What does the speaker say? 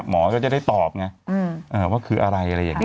หมอก็จะได้ตอบว่าคืออะไร